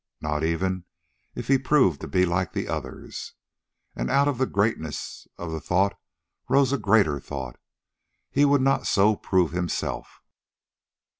Not even if he proved to be like the others. And out of the greatness of the thought rose a greater thought he would not so prove himself.